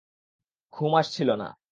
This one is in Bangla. ঘুম আসছিল না।